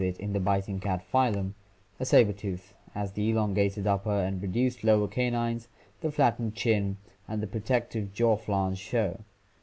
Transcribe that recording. it in the biting cat phylum, a saber tooth, as the elongated upper and reduced lower canines, the flattened chin, and the protective jaw flange show.